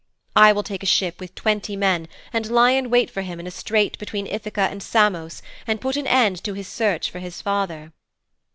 I will take a ship with twenty men, and lie in wait for him in a strait between Ithaka and Samos, and put an end to his search for his father.'